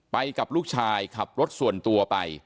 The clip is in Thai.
ไปกับลูกชายขับรถส่วนตัวไป